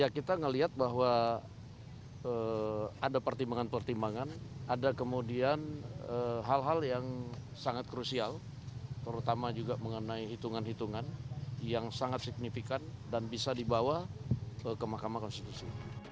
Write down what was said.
ya kita melihat bahwa ada pertimbangan pertimbangan ada kemudian hal hal yang sangat krusial terutama juga mengenai hitungan hitungan yang sangat signifikan dan bisa dibawa ke mahkamah konstitusi